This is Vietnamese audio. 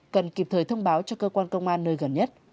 cần kịp thời thông báo cho cơ quan công an nơi gần nhất